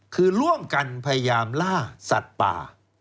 คือร่วมกันพยายามล่าสัตว์ป่า